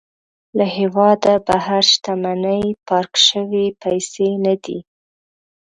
له هېواده بهر شتمني پارک شوې پيسې نه دي.